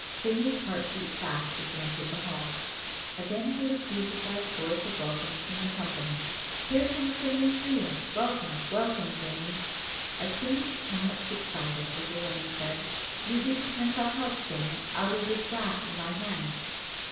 Jamie's heart beat fast as he entered the hall. Again he was greeted by a chorus of welcomes from the company "Here comes Jamie Freel! welcome, welcome, Jamie!" As soon as the tumult subsided, the little woman said, "You be to drink our health, Jamie, out o' this glass in my hand."